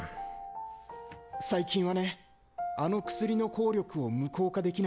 最近はねあの薬の効力を無効化できないか模索してるんだ。